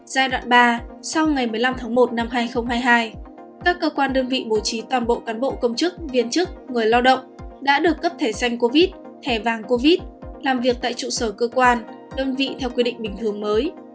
giai đoạn ba sau ngày một mươi năm tháng một năm hai nghìn hai mươi hai các cơ quan đơn vị bố trí toàn bộ cán bộ công chức viên chức người lao động đã được cấp thẻ xanh covid thẻ vàng covid làm việc tại trụ sở cơ quan đơn vị theo quy định bình thường mới